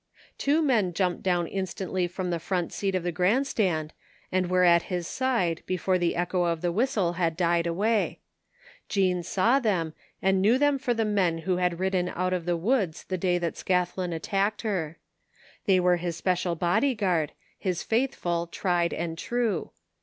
Two men jtmiped down instantly from the front seat of the grandstand and were at his side before the echo of the whistle had died away. Jean saw them and knew them for the men who had ridden out of the woods the day that Scathlin attacked her. They were his special bodyguard, his faithful, tried and true.